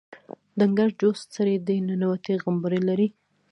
ډنګر چوست سړی دی ننوتي غومبري لري.